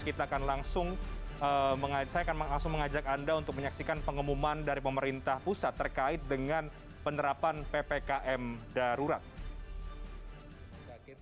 kita akan langsung mengajak anda untuk menyaksikan pengumuman dari pemerintah pusat terkait dengan penerapan ppkm darurat